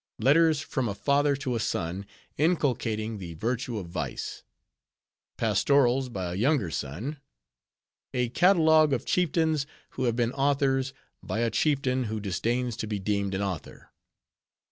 "Letters from a Father to a Son, inculcating the Virtue of Vice." "Pastorals by a Younger Son." "A Catalogue of Chieftains who have been Authors, by a Chieftain, who disdains to be deemed an Author."